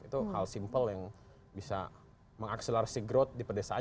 itu hal simpel yang bisa mengakselerasi growth di pedesaan